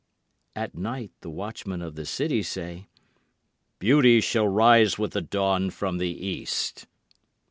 At night the watchmen of the city say, "Beauty shall rise with the dawn from the east."